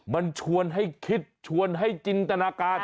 มันชวนให้คิดชวนให้จินตนาการ